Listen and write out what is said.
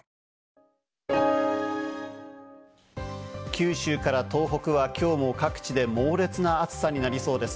九州から東北はきょうも各地で猛烈な暑さになりそうです。